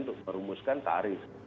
untuk merumuskan tarif